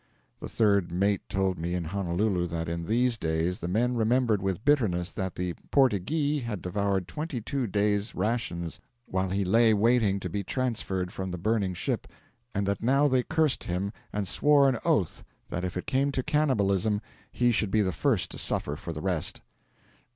The third mate told me in Honolulu that in these days the men remembered with bitterness that the 'Portyghee' had devoured twenty two days' rations while he lay waiting to be transferred from the burning ship, and that now they cursed him and swore an oath that if it came to cannibalism he should be the first to suffer for the rest.